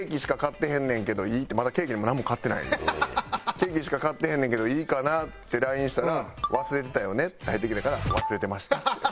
「ケーキしか買ってへんねんけどいいかな？」ってＬＩＮＥしたら「忘れてたよね？」って返ってきたから「忘れてました」って。